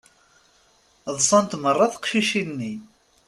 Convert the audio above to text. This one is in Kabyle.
Ḍsant meṛṛa teqcicin-nni.